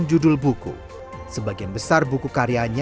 sebagian besar buku karyanya berisi tentang ilmu pengetahuan alam sesuai keahliannya